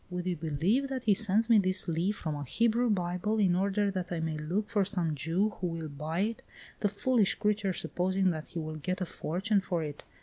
Would you believe that he sends me this leaf from a Hebrew Bible, in order that I may look for some Jew who will buy it, the foolish creature supposing that he will get a fortune for it.